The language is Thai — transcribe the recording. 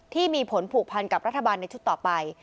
ที่มีผลผูกพันกับรัฐบาลในชุดต่อไป